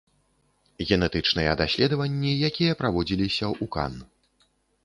Генетычныя даследаванні, якія праводзіліся ў кан.